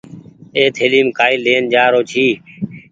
اي ٿليم ڪآئي لين آرو ڇي۔